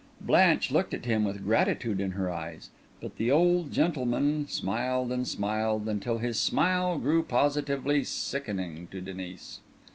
Blanche looked at him with gratitude in her eyes; but the old gentleman only smiled and smiled, until his smile grew positively sickening to Denis.